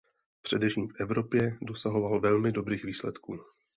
Především v Evropě dosahoval velmi dobrých výsledků.